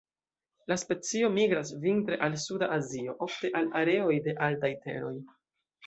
La specio migras vintre al suda Azio, ofte al areoj de altaj teroj.